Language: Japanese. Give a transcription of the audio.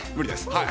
はい。